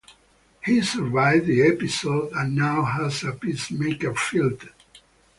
He survived the episode and now has a pacemaker fitted.